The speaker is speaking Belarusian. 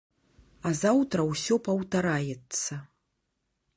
А заўтра ўсё паўтараецца.